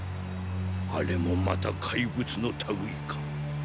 あれもまた怪物の類いか。